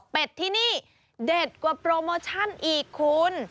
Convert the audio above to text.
ที่นี่เด็ดกว่าโปรโมชั่นอีกคุณ